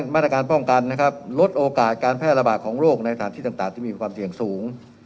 มาตรการป้องกันนะครับลดโอกาสการแพร่ระบาดของโรคในสถานที่ต่างที่มีความเสี่ยงสูง